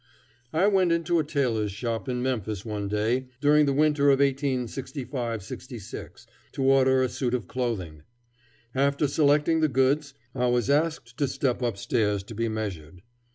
I went into a tailor's shop in Memphis one day, during the winter of 1865 66, to order a suit of clothing. After selecting the goods I was asked to step up stairs to be measured.